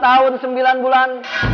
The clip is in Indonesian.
lima tahun sembilan bulan